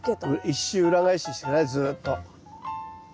一周裏返しして下さいずっと。